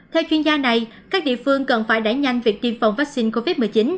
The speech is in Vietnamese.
theo chuyên gia này các địa phương cần phải đẩy nhanh việc tiêm phòng vaccine covid một mươi chín